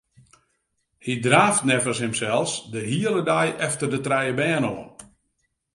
Hy draaft neffens himsels de hiele dei efter de trije bern oan.